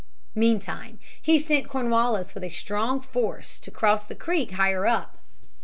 Meantime he sent Cornwallis with a strong force to cross the creek higher up.